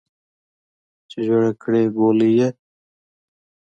چې جوړه کړې ګولۍ یې